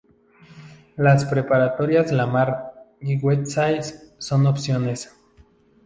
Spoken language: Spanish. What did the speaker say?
Las preparatorias Lamar y Westside son opciones.